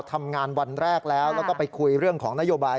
ทำงานวันแรกแล้วแล้วก็ไปคุยเรื่องของนโยบาย